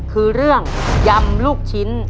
คือเรื่องยำลูกชิ้น